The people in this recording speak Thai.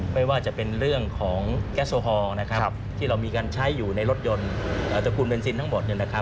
ไม่ว่าจะเป็นเรื่องของแก๊สโซฮอลที่เรามีการใช้อยู่ในรถยนต์ตระกูลเบนซินทั้งหมด